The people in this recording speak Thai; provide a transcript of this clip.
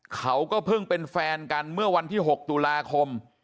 เขาก็เพิ่งเป็นแฟนกันเมื่อวันที่๖ตุลาคม